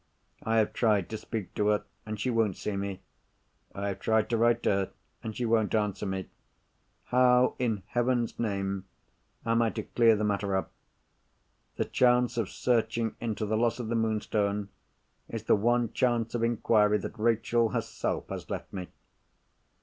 I have tried to speak to her, and she won't see me. I have tried to write to her, and she won't answer me. How, in Heaven's name, am I to clear the matter up? The chance of searching into the loss of the Moonstone, is the one chance of inquiry that Rachel herself has left me."